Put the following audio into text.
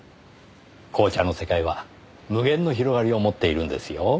紅茶の世界は無限の広がりを持っているんですよ。